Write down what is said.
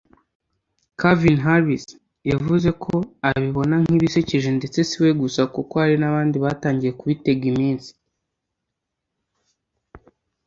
Calvin Harris yavuze ko abibona nk’ibisekeje ndetse siwe gusa kuko hari n’abandi batangiye kubitega iminsi